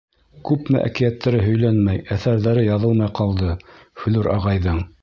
Күпме әкиәттәре һөйләнмәй, әҫәрҙәре яҙылмай ҡалды Флүр ағайҙың...